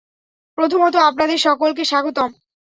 প্রথমত আপনাদের সকলকে স্বাগতম।